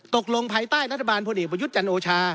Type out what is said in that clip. ตกลงภายใต้รัฐบาลพลวงอีกประยุทธ์จันทร์โอชา